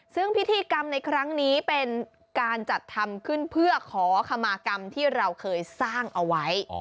ซึ่งพิธีกรรมในครั้งนี้เป็นการจัดทำขึ้นเพื่อขอคำมากรรมที่เราเคยสร้างเอาไว้